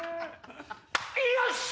よっしゃ！